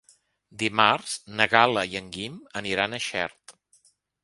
Dimarts na Gal·la i en Guim aniran a Xert.